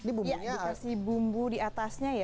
iya dikasih bumbu di atasnya ya